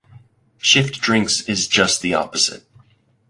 Shift Drinks is just the opposite.